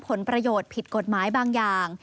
ผลประโยชน์ผิดกฎหมายบางอย่าง